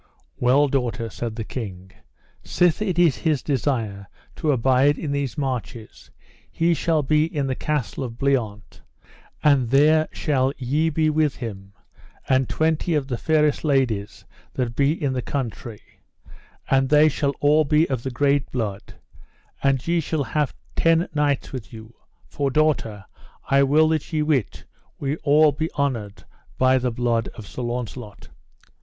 Well daughter, said the king, sith it is his desire to abide in these marches he shall be in the Castle of Bliant, and there shall ye be with him, and twenty of the fairest ladies that be in the country, and they shall all be of the great blood, and ye shall have ten knights with you; for, daughter, I will that ye wit we all be honoured by the blood of Sir Launcelot.